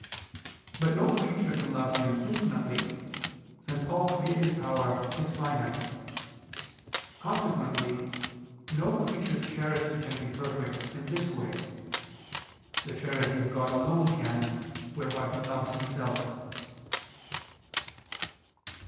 But no creature can love Him infinitely since all created power is finite. Consequently no creature's charity can be perfect in this way; the charity of God alone can, whereby He loves Himself.